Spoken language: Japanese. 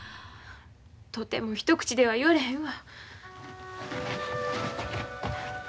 とても一口では言われへんわ。